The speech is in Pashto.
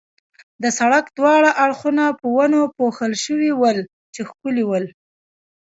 د سړک دواړه اړخونه په ونو پوښل شوي ول، چې ښکلي ول.